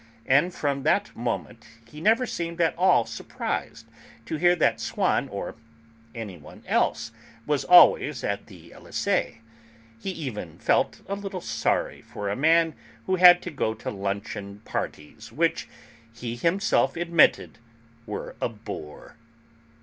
And from that moment he never seemed at all surprised to hear that Swann, or anyone else, was 'always at the Elysée'; he even felt a little sorry for a man who had to go to luncheon parties which, he himself admitted, were a bore.